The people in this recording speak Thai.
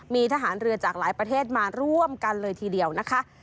มีทหารเรือจากหลายประเทศมาร่วมกันเลยทีเดียวนะคะ